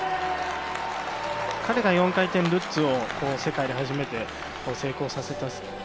彼が４回転ルッツを世界で初めて成功させた。